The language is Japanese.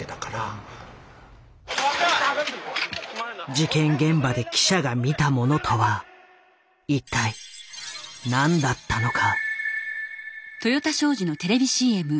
事件現場で記者が見たものとは一体何だったのか。